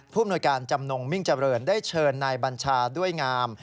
อำนวยการจำนงมิ่งเจริญได้เชิญนายบัญชาด้วยงาม